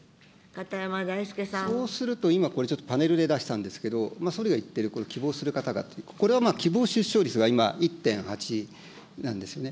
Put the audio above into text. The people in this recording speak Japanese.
そうすると、今、これちょっと、パネルで出したんですけど、総理が言っている希望する方がと、これは希望出生率が今１．８なんですよね。